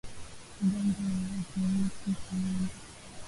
Ugonjwa wa ukurutu kwa ngombe